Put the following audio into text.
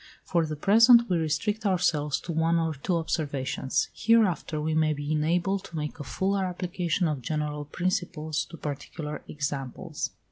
For the present we restrict ourselves to one or two observations; hereafter we may be enabled to make a fuller application of general principles to particular examples.